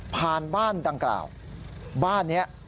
บ้านดังกล่าวบ้านนี้